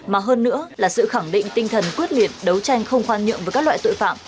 mà hơn nữa là sự khẳng định tinh thần quyết liệt đấu tranh không khoan nhượng với các loại tội phạm